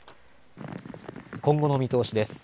今後の見通しです。